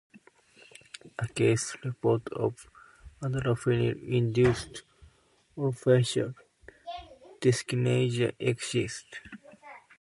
A case report of adrafinil-induced orofacial dyskinesia exists.